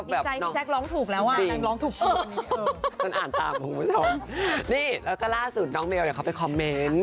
แล้วก็แบบน้องนี่แล้วก็ล่าสุดน้องเบลเขาไปคอมเม้นต์